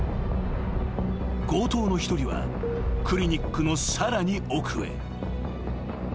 ［強盗の一人はクリニックのさらに奥へ］